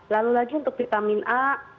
lalu lagi untuk vitamin a